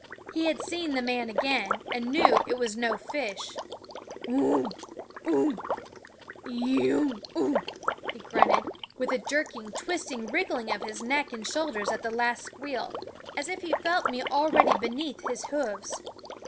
He had seen the man again, and knew it was no fish Unh! unh! eeeeeunh unh ! he grunted, with a twisting, jerky wriggle of his neck and shoulders at the last squeal, as if he felt me already beneath his hoofs.